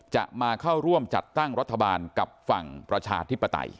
จะมาเข้าร่วมจัดตั้งรัฐบาลกับฝั่งประชาธิปไตย